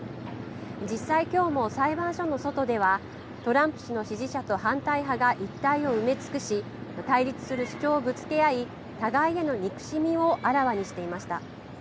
実際きょうも、裁判所の外ではトランプ氏の支持者と反対派が一帯を埋め尽くし、対立する主張をぶつけ合い、互いへの憎しみをあらわにしていました。